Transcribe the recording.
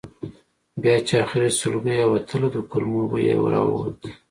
بیا چې آخري سلګۍ یې وتله د کولمو بوی یې راووت.